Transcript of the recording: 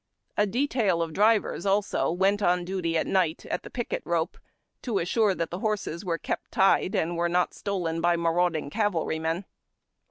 A detail of drivers, also, went on duty at night at the picket rope, to assure that the horses were kept tied and not stolen by marauding cavalry men.